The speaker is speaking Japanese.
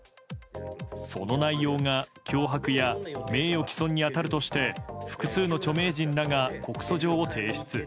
その内容が脅迫や名誉毀損に当たるとして複数の著名人らが告訴状を提出。